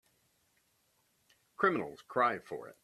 Criminals cry for it.